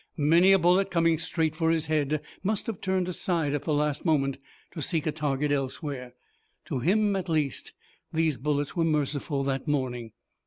Many a bullet coming straight for his head must have turned aside at the last moment to seek a target elsewhere. To him at least these bullets were merciful that morning.